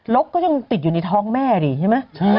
เริกยังติดอยู่ในท้องแม่อ่ะได้ไหม